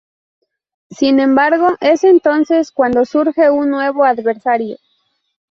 Sin embargo, es entonces cuando surge un nuevo adversario.